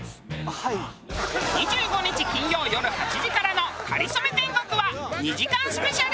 ２５日金曜よる８時からの『かりそめ天国』は２時間スペシャル！